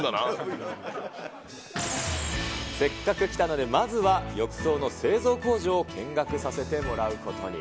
せっかく来たので、まずは浴槽の製造工場を見学させてもらうことに。